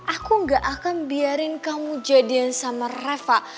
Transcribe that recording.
aku gak akan biarin kamu jadian sama reva